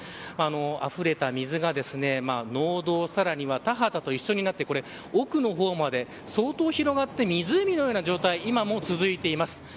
あふれた水が農道さらには田畑と一緒になって奥の方まで相当広がって湖のような状態が今も続いています。